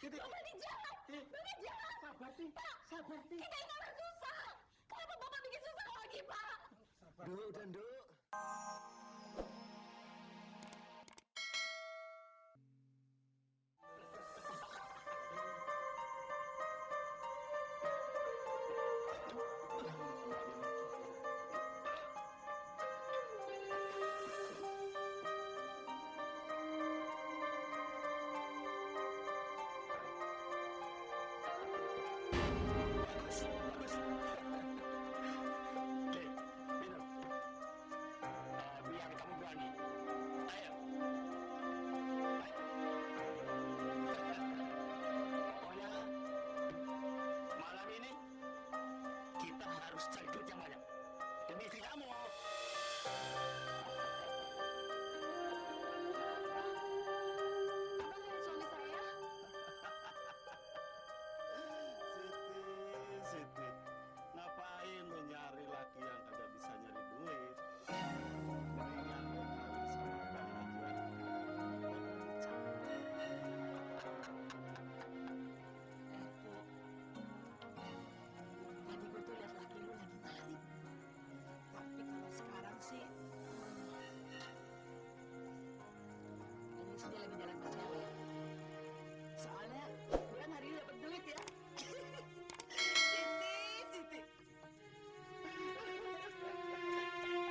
jadi bapak yang nantang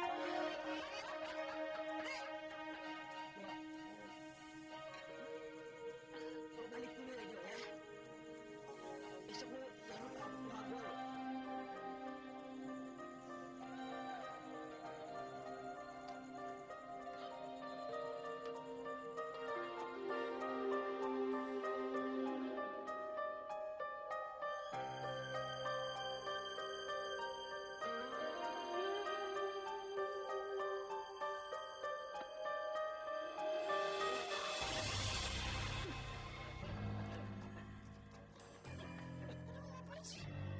suami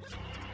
saya